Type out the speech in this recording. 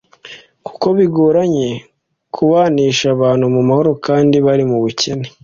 kuko bigoranye kubanisha abantu mu mahoro kandi bari mu bukene